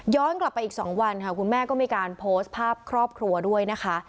กลับไปอีก๒วันค่ะคุณแม่ก็มีการโพสต์ภาพครอบครัวด้วยนะคะ